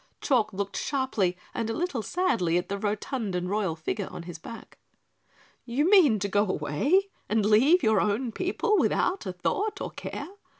Chalk looked sharply and a little sadly at the rotund and royal figure on his back. "You mean to go away and leave your own people without a thought or care?